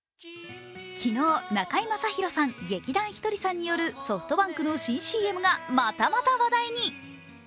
昨日、中居正広さん、劇団ひとりさんによるソフトバンクの新ＣＭがまたまた話題に。